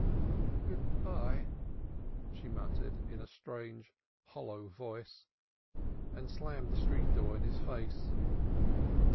"Good bye!" she murmured in a strange hollow voice, and slammed the street door in his face.